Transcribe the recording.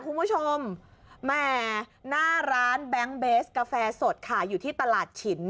คุณผู้ชมแหมหน้าร้านแบงค์เบสกาแฟสดค่ะอยู่ที่ตลาดฉิน